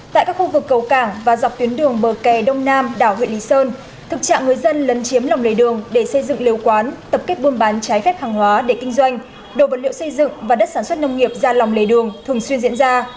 tại các khu vực cầu cảng và dọc tuyến đường bờ kè đông nam đảo huyện lý sơn thực trạng người dân lấn chiếm lòng lề đường để xây dựng liều quán tập kết buôn bán trái phép hàng hóa để kinh doanh đồ vật liệu xây dựng và đất sản xuất nông nghiệp ra lòng lề đường thường xuyên diễn ra